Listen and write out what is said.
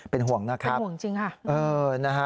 เป็นห่วงนะครับเป็นห่วงจริงค่ะ